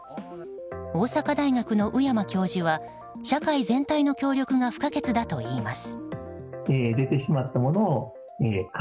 大阪大学の宇山教授は社会全体の協力が不可欠だといいます。